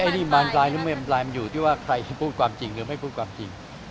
นี่บานปลายหรือไม่มันลายมันอยู่ที่ว่าใครจะพูดความจริงหรือไม่พูดความจริง